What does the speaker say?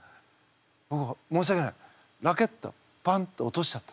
ぼく申しわけないラケットパンッて落としちゃった。